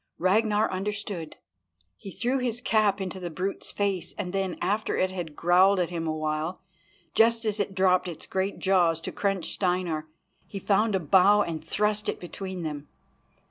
Ragnar understood. He threw his cap into the brute's face, and then, after it had growled at him awhile, just as it dropped its great jaws to crunch Steinar, he found a bough and thrust it between them.